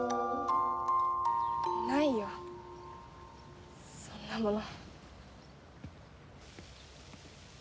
ないよそんなもの。